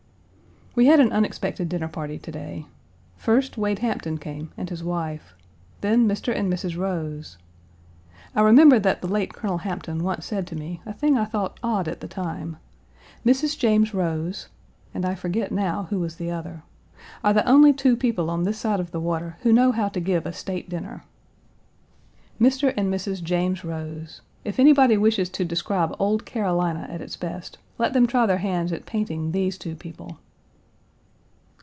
We had an unexpected dinner party to day. First, Wade Hampton came and his wife. Then Mr. and Mrs. Rose. I remember that the late Colonel Hampton once said to me, a thing I thought odd at the time, "Mrs. James Rose" (and I forget now who was the other) "are the only two people on this side of the water who know how to give a state dinner." Mr. and Mrs. James Rose: if anybody Page 190 body wishes to describe old Carolina at its best, let them try their hands at painting these two people.